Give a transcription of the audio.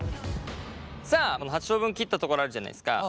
さあこの８等分切った所あるじゃないですか。